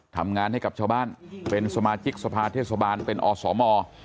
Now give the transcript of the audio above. ทำงานให้กับชาวบ้านเป็นสมาชิกสภาเทศบาลเป็นอสม